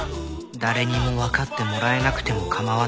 誰にもわかってもらえなくても構わない